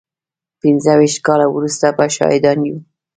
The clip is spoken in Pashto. پينځه ويشت کاله وروسته به شاهدان يو.